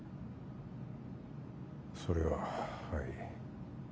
それははい。